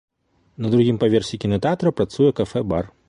На другім паверсе кінатэатра працуе кафэ-бар.